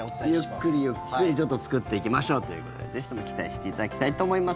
ゆっくりゆっくり作っていきましょうということですので期待していただきたいと思います。